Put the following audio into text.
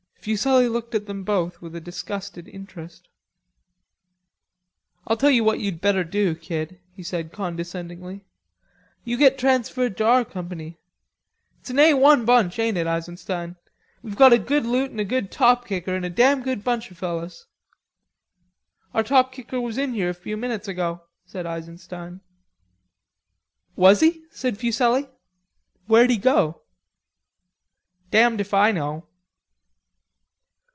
Fuselli looked at them both with a disgusted interest. "I'll tell you what you'd better do, kid," he said condescendingly. "You get transferred to our company. It's an Al bunch, ain't it, Eisenstein? We've got a good loot an' a good top kicker, an' a damn good bunch o' fellers." "Our top kicker was in here a few minutes ago," said Eisenstein. "He was?" asked Fuselli. "Where'd he go?" "Damned if I know."